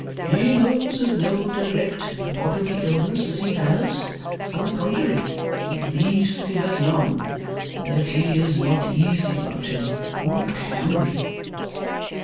He knows of no direct bodily illness that he has; on the contrary, he believes that he has none. Yet he is not easy about him; who CAN be?"